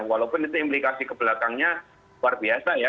walaupun itu implikasi kebelakangnya luar biasa ya